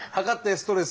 ストレス。